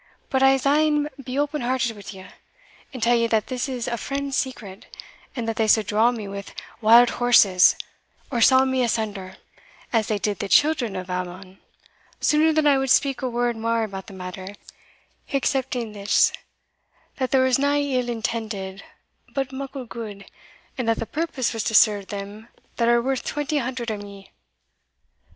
But I'se een be open hearted wi' you, and tell you that this is a friend's secret, and that they suld draw me wi' wild horses, or saw me asunder, as they did the children of Ammon, sooner than I would speak a word mair about the matter, excepting this, that there was nae ill intended, but muckle gude, and that the purpose was to serve them that are worth twenty hundred o' me.